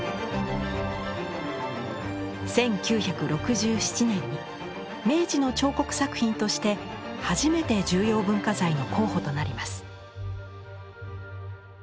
１９６７年に明治の彫刻作品として初めて重要文化財の候補となります。